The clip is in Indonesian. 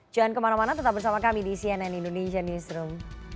jangan kemana mana tetap bersama kami di cnn indonesian newsroom